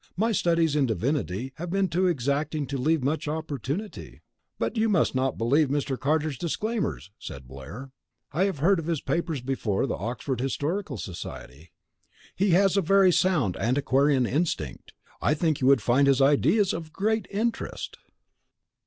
"My studies in divinity have been too exacting to leave much opportunity " "You must not believe Mr. Carter's disclaimers," said Blair. "I have heard of his papers before the Oxford Historical Society. He has a very sound antiquarian instinct. I think you would find his ideas of great interest."